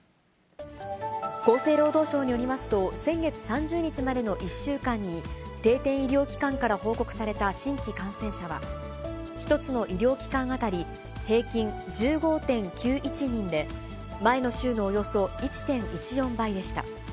厚生労働省によりますと、先月３０日までの１週間に、定点医療機関から報告された新規感染者は、１つの医療機関当たり平均１５．９１人で、前の週のおよそ１．１４倍でした。